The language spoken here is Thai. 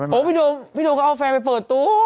โอ้วพี่โดมพี่โดมก็เอาแฟนไปเปิดตู้